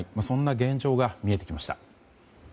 そんな現状が見えてきました。